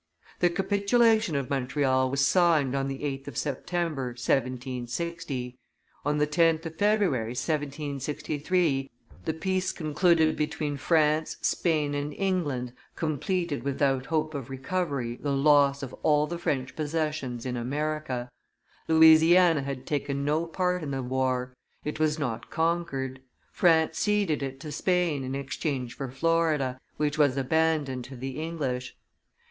The capitulation of Montreal was signed on the 8th of September, 1760; on the 10th of February, 1763, the peace concluded between France, Spain, and England completed without hope of recovery the loss of all the French possessions in America; Louisiana had taken no part in the war; it was not conquered; France ceded it to Spain in exchange for Florida, which was abandoned to the English.